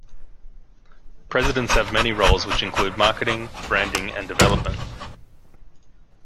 Presidents have many roles which include marketing, branding and development.